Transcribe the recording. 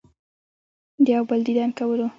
د يو بل ديدن کولو